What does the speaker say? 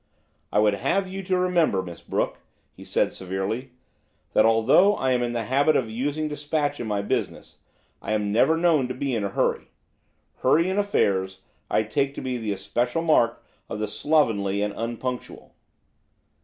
"I would have you to remember, Miss Brooke," he said severely, "that although I am in the habit of using dispatch in my business, I am never known to be in a hurry; hurry in affairs I take to be the especial mark of the slovenly and unpunctual."